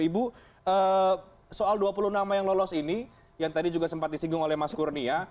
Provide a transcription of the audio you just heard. ibu soal dua puluh nama yang lolos ini yang tadi juga sempat disinggung oleh mas kurnia